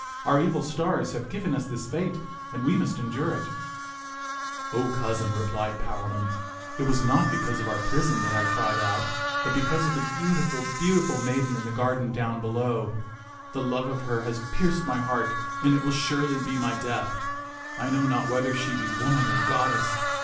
Our evil stars have given us this fate, and we must endure it." t^t Mm^^fB tak 25 "O cousin," replied Palamon, "it was not because of our prison that I cried out, but because of the beau tiful, beautiful maiden in the garden down below. The love of her has pierced my heart, and it will surely be my death. I know not whether she be woman or goddess.